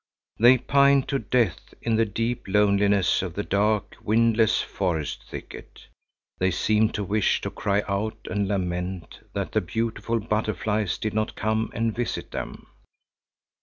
They pined to death in the deep loneliness of the dark, windless forest thicket. They seemed to wish to cry and lament that the beautiful butterflies did not come and visit them.